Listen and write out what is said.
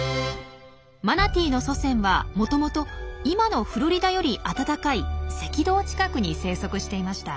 マナティーの祖先はもともと今のフロリダより暖かい赤道近くに生息していました。